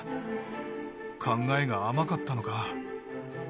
考えが甘かったのか。